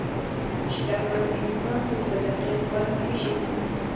شتمن انسان د صدقې خوند پېژني.